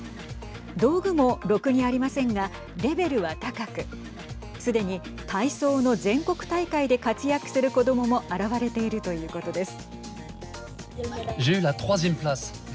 道具も、ろくにありませんがレベルは高くすでに体操の全国大会で活躍する子どもも現れているということです。